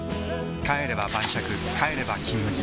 帰れば晩酌帰れば「金麦」